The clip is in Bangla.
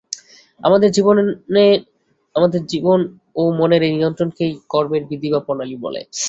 আমাদের জীবনও মনের এই নিয়ন্ত্রণকেই কর্মের বিধি বা প্রণালী বলে।